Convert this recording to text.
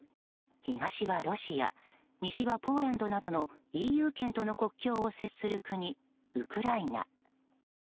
東はロシア西はポーランドなどのＥＵ圏との国境を接する国ウクライナ。